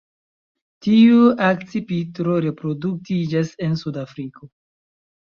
Tiu akcipitro reproduktiĝas en suda Afriko.